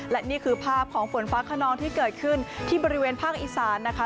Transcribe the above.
และนี่คือภาพของฝนฟ้าขนองที่เกิดขึ้นที่บริเวณภาคอีสานนะคะ